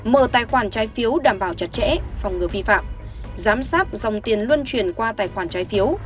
mở tài khoản trái phiếu đảm bảo chặt chẽ phòng ngừa vi phạm giám sát dòng tiền luân chuyển qua tài khoản trái phiếu